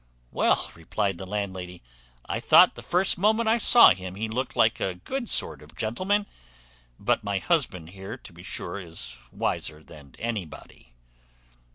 "Well," replied the landlady, "I thought the first moment I saw him he looked like a good sort of gentleman; but my husband here, to be sure, is wiser than anybody."